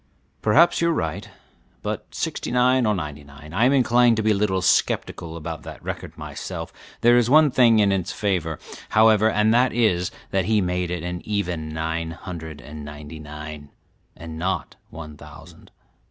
"Perhaps you are right, but sixty nine or ninety nine, I am inclined to be a little sceptical about that record myself; there is one thing in its favor, however, and that is, that he made it an even nine hundred and ninety nine, and not one thousand.